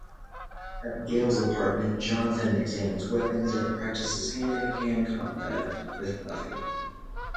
At Giles's apartment, Jonathan examines weapons and practices hand-to-hand combat with Buffy.